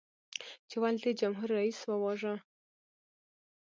چې ولې دې جمهور رئیس وواژه؟